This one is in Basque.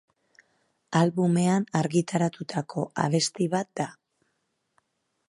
Albumean argitaratutako abesti bat da.